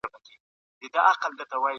که فکر خلاص وي تر بند فکر زيات کار کوي.